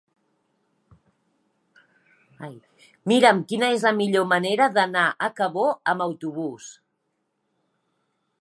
Mira'm quina és la millor manera d'anar a Cabó amb autobús.